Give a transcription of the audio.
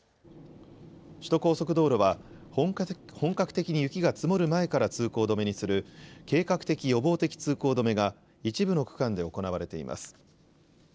首都高速道路は、本格的に雪が積もる前から通行止めにする、計画的・予防的通行止めが一部の区間で行われています。